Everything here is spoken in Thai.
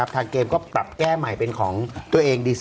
ทางเกมก็ปรับแก้ใหม่เป็นของตัวเองดี